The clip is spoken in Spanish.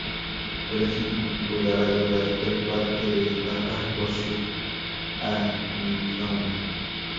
Pero sin lugar a dudas, el parque destaca por su avifauna.